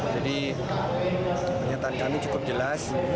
jadi pernyataan kami cukup jelas